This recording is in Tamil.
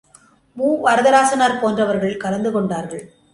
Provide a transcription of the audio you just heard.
மு. வரதராசனார் போன்றவர்கள் கலந்து கொண்டார்கள்.